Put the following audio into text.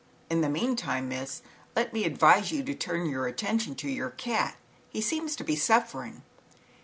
In the meantime, Miss, let me advise you to turn your attention to your cat, he seems to be suffering."